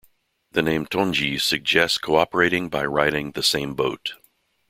The name Tongji suggests cooperating by riding the same boat.